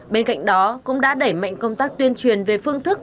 bên cạnh đó cũng đã đẩy mạnh công tác tuyên truyền về phương thức